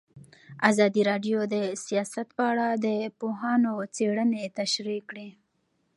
ازادي راډیو د سیاست په اړه د پوهانو څېړنې تشریح کړې.